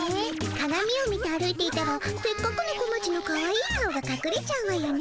かがみを見て歩いていたらせっかくのこまちのかわいい顔がかくれちゃうわよね。